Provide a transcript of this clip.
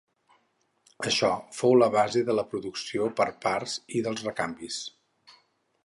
Això fou la base de la producció per parts i dels recanvis.